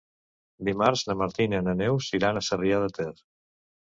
Dimarts na Martina i na Neus iran a Sarrià de Ter.